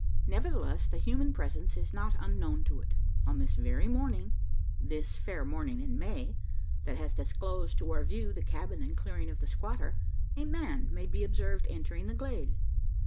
Nevertheless, the human presence is not unknown to it. On this very morning this fair morning in May, that has disclosed to our view the cabin and clearing of the squatter a man may be observed entering the glade.